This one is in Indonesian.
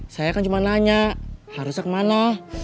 saya kan cuma nanya harusnya kemana